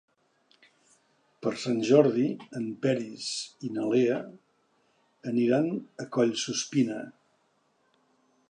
Per Sant Jordi en Peris i na Lea aniran a Collsuspina.